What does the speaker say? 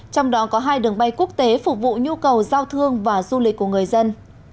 trong đó có hai đường bay quốc tế phục vụ nhu cầu giao thương và du lịch của người dân